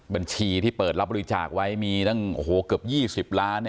บัญชีที่เปิดรับบริจาคไว้มีตั้งเกือบ๒๐ล้าน